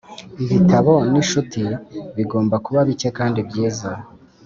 ibitabo n'inshuti bigomba kuba bike kandi byiza